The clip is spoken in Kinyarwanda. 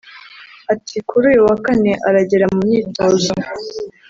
ati” kuri uyu wa Kane aragera mu myitozo